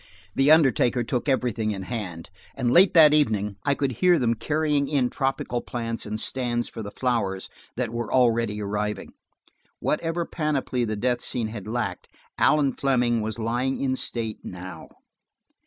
The undertaker took everything in hand, and late that evening I could hear them carrying in tropical plants and stands for the flowers that were already arriving. Whatever panoply the death scene had lacked, Allan Fleming was lying in state now.